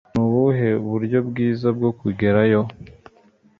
Nubuhe buryo bwiza bwo kugerayo?